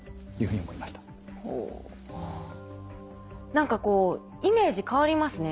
何かこうイメージ変わりますね。